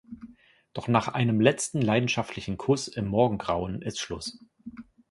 Doch nach einem letzten leidenschaftlichen Kuss im Morgengrauen ist Schluss.